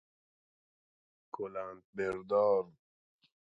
کلند بردار